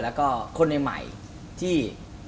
แล้วก็คนใหม่ที่